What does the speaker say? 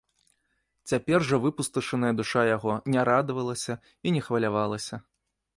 Цяпер жа выпусташаная душа яго не радавалася і не хвалявалася.